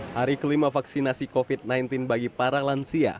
hari kelima vaksinasi covid sembilan belas bagi para lansia